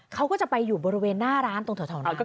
เขาก็จะไปอยู่บริเวณหน้าร้านตรงแถวนั้น